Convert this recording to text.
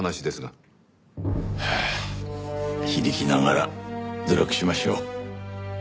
はあ非力ながら努力しましょう。